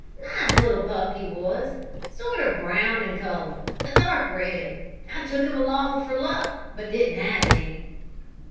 Nice little pup he was sort of brown in color a dark red. I took him along for luck, but I didn't have any."